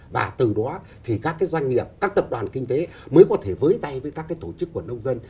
và từ đó thì các cái doanh nghiệp các tập đoàn kinh tế mới có thể với tay với các tổ chức của nông dân